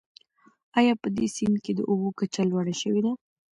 آیا په دې سیند کې د اوبو کچه لوړه شوې ده؟